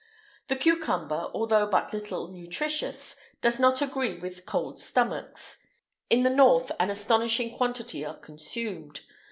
[IX 123] The cucumber, although but little nutritious, does not agree with cold stomachs. In the north an astonishing quantity are consumed.